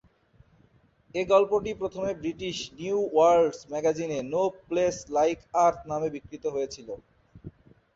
এই গল্পটি প্রথমে ব্রিটিশ "নিউ ওয়ার্ল্ডস" ম্যাগাজিনে "নো প্লেস লাইক আর্থ" নামে বিক্রিত হয়েছিল।